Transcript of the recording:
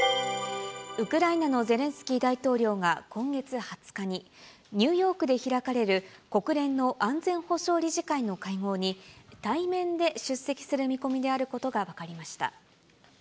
ウクライナのゼレンスキー大統領が今月２０日にニューヨークで開かれる国連の安全保障理事会の会合に、対面で出席する見込みであることが分かりました。